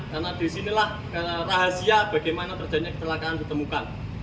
karena disinilah rahasia bagaimana terjadinya kecelakaan ditemukan